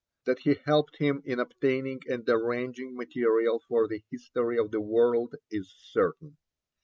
That he helped him in obtaining and arranging material for the History of the World is certain.